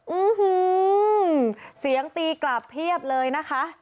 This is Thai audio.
ื้อหือเสียงตีกลับเพียบเลยนะคะ